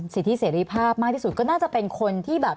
สิทธิเสรีภาพมากที่สุดก็น่าจะเป็นคนที่แบบ